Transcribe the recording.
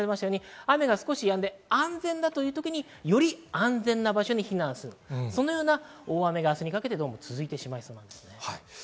雨が少しやんで安全だというときにより安全な場所に避難する、そのようなことが続いてしまいそうです。